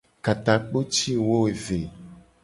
Ka takpo ci wo eve.